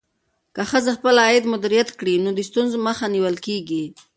که ښځه خپل عاید مدیریت کړي، نو د ستونزو مخه نیول کېږي.